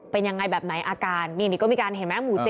เป็นยังไงแบบไหนอาการนี่นี่ก็มีการเห็นไหมหมู่๗